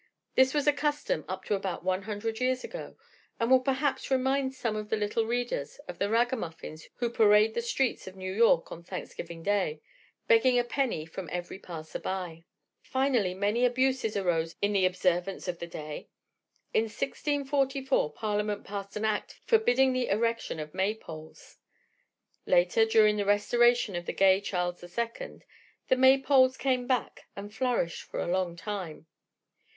This was a custom up to about one hundred years ago, and will perhaps remind some of my little readers of the ragamuffins who parade the streets of New York on Thanksgiving Day, begging a penny from every passer by. Finally, many abuses arose in the observance of the day. In 1644 Parliament passed an act forbidding the erection of May poles. Later, during the restoration of the gay Charles the Second, the May poles came back and flourished for a long time.